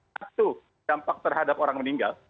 satu dampak terhadap orang meninggal